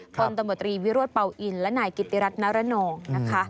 คนตำรวจตรีวิโรธเป่าอินและนายกิติรัฐนรนองนะคะ